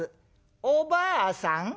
「おばあさん